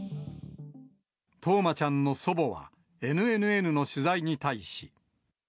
冬生ちゃんの祖母はＮＮＮの取材に対し。